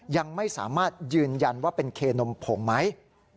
ยังไม่สามารถยืนยันว่าเป็นเคนมผงไหม